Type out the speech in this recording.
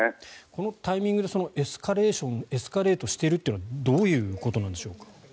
このタイミングでそのエスカレーションエスカレートしてるというのはどういうことなんでしょうか。